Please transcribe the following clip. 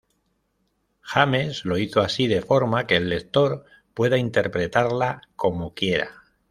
James lo hizo así de forma que el lector pueda interpretarla como quiera.